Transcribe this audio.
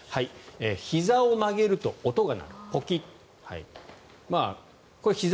ひざを曲げると音が鳴る。